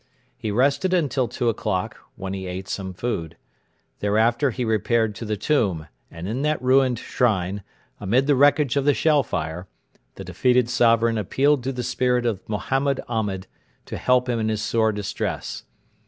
He rested until two o'clock, when he ate some food. Thereafter he repaired to the Tomb, and in that ruined shrine, amid the wreckage of the shell fire, the defeated sovereign appealed to the spirit of Mohammed Ahmed to help him in his sore distress.